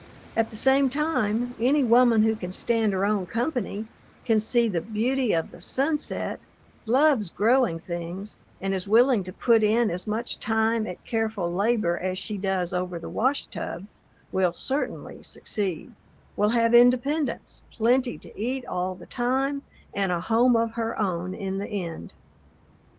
At the same time, any woman who can stand her own company, can see the beauty of the sunset, loves growing things, and is willing to put in as much time at careful labor as she does over the washtub, will certainly succeed; will have independence, plenty to eat all the time, and a home of her own in the end.